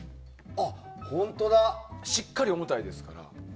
しっかり重たいですから。